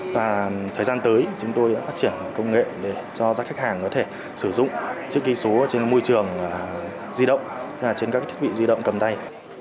và thời gian tới chúng tôi đã phát triển công nghệ để cho các khách hàng có thể sử dụng chữ ký số trên môi trường di động trên các thiết bị di động cầm tay